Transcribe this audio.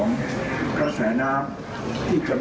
ในเวลาเดิมคือ๑๕นาทีครับ